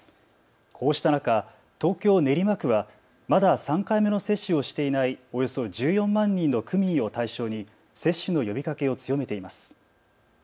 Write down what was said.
こうした中、東京練馬区はまだ３回目の接種をしていないおよそ１４万人の区民を対象に接種の呼びかけを強めています。